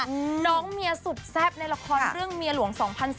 น้องเมียสุดแซ่บในละครเรื่องเมียหลวง๒๐๑๘